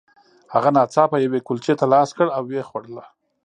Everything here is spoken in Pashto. هغه ناڅاپه یوې کلچې ته لاس کړ او ویې خوړه